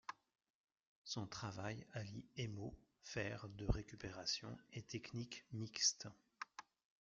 Son travail allie émaux, fer de récupération et techniques mixtes.